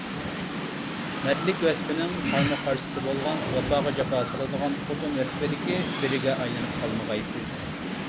«مەردلىك» ۋەسپىنىڭ قارىمۇقارشىسى بولغان ۋاپاغا جاپا سالىدىغان «خوتۇن» ۋەسپىدىكى بىرىگە ئايلىنىپ قالمىغايسىز.